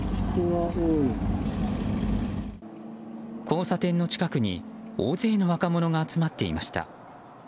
交差点の近くに大勢の若者が集まっていました。